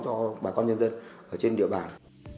cho bà con nhân dân trên địa bàn